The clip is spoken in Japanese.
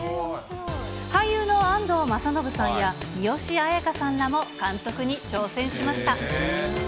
俳優の安藤政信さんや、三吉彩花さんらも監督に挑戦しました。